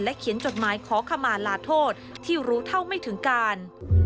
เขียนจดหมายขอขมาลาโทษที่รู้เท่าไม่ถึงการ